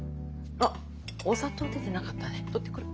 あっお砂糖出てなかったね取ってくる。